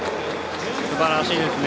すばらしいですね。